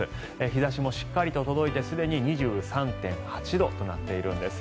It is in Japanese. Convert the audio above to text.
日差しもしっかり届いてすでに２３．８度となっているんです。